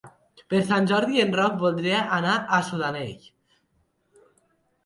Per Sant Jordi en Roc voldria anar a Sudanell.